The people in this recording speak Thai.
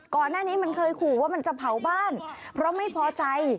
ก่อนหน้านี้มันเคยขู่ว่ามันจะเผาบ้านเพราะไม่พอใจ